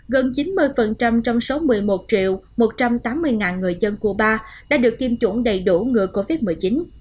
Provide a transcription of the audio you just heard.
gần chín mươi trong số một mươi một triệu một trăm tám mươi người dân cuba đã được tiêm chủng đầy đủ người covid một mươi chín